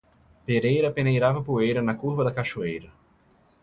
Pereira peneirava poeira na curva da cachoeira.